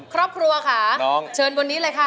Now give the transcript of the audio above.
ครอบครัวค่ะเชิญวันนี้เลยค่ะ